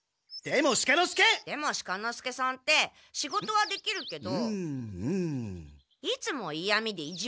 出茂鹿之介さんって仕事はできるけどいつもいやみで意地悪で。